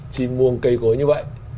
chìm muông cây cối như vậy